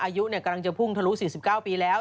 อายุกำลังจะพุ่งทะลุ๔๙ปีแล้ว